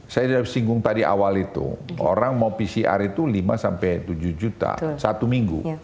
saya sudah singgung tadi awal itu orang mau pcr itu lima sampai tujuh juta satu minggu